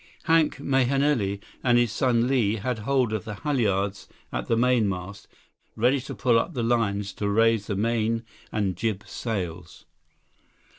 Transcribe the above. Hank Mahenili and his son Li had hold of the halyards at the mainmast, ready to pull on the lines to raise the main and jib sails.